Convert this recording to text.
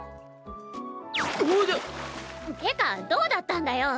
うおっ！ってかどうだったんだよ？